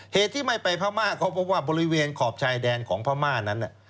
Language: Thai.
เหตุที่ไม่ไปพม่าเขาเพราะว่าบริเวณขอบชายแดนของพม่านั้น